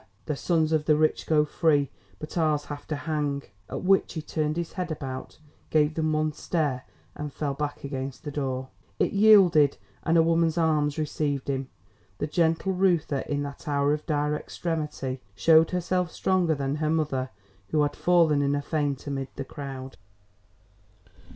The sons of the rich go free, but ours have to hang!" At which he turned his head about, gave them one stare and fell back against the door. It yielded and a woman's arms received him. The gentle Reuther in that hour of dire extremity, showed herself stronger than her mother who had fallen in a faint amid the crowd.